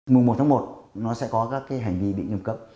mùng một tháng một nó sẽ có các cái hành vi bị nghiêm cấm